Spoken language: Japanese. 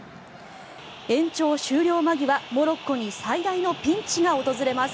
延長終了間際モロッコに最大のピンチが訪れます。